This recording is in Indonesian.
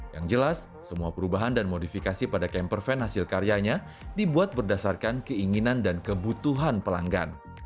yang jelas semua perubahan dan modifikasi pada camper van hasil karyanya dibuat berdasarkan keinginan dan kebutuhan pelanggan